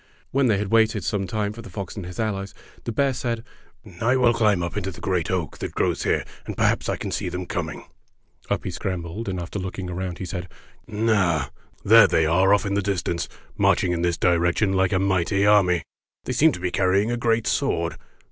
When they had waited some time for the fox and his allies, the bear said, "I will climb up into the great oak that grows here, and perhaps I can see them com ing." Up he scrambled, and after looking around, he said: ''Ah! there they are off in the dis tance marching in this direction like a mighty army. They seem to be carrying a great sword.